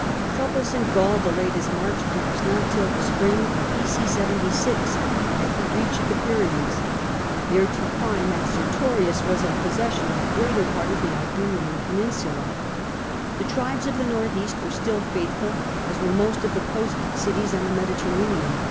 IVoubles in Gaul delayed his march, and it was not till the spring of 76 that he reached the Pyi'cneos, there to find that 244 POMPEY Sertorins was in possession of the greater part of the Iberian Peninsula. The tribes of the north east were still faithful, as were most of the coast cities on the Medi terranean.